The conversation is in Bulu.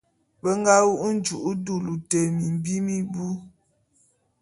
Be nga wu nju'u dulu te mimbi mimbu.